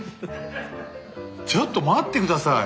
⁉ちょっと待って下さい。